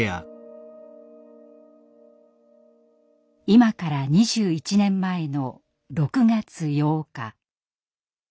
今から２１年前の６月８日。